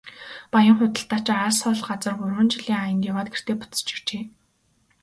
Баян худалдаачин алс хол газар гурван жилийн аянд яваад гэртээ буцаж иржээ.